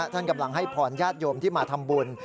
ท่านกำลังให้พรญาติโยมที่มาทำบุญ